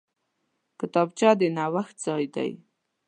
کتابچه د نوښت ځای دی